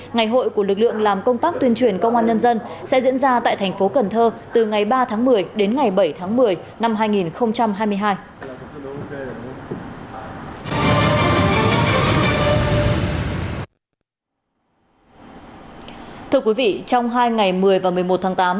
ngày hội của lực lượng làm công tác tuyên truyền công an nhân dân sẽ diễn ra tại thành phố cần thơ từ ngày ba tháng một mươi đến ngày bảy tháng một mươi năm hai nghìn hai mươi hai